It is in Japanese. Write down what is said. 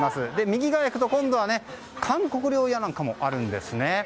右に行くと、韓国料理屋なんかもあるんですね。